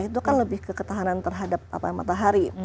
itu kan lebih ke ketahanan terhadap apa yang matahari